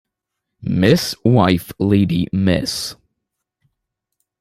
Mrs. wife lady Miss